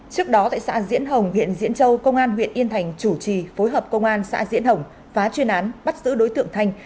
trước đó tại xã diễn hồng huyện diễn châu công an huyện yên thành chủ trì phối hợp công an xã diễn hồng phá chuyên án bắt giữ đối tượng thanh